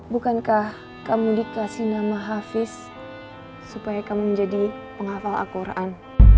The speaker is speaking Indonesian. bukankah kamu dikasih nama hafiz supaya kamu menjadi penghafal al quran